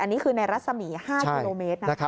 อันนี้คือในรัศมี๕กม